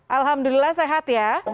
alhamdulillah sehat ya